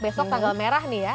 besok tanggal merah nih ya